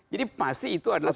jadi pasti itu adalah